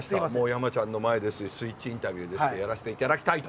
山ちゃんの前ですし「スイッチインタビュー」ですしやらせていただきたいと。